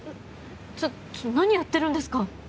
ちょっと何やってるんですか。